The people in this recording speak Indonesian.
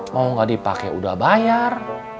mau gak dipake udah bayar